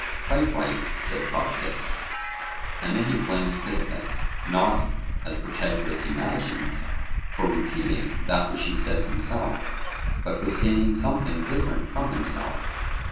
Quite right, said Prodicus. And then he blames Pittacus, not, as Protagoras imagines, for repeating that which he says himself, but for saying something different from himself.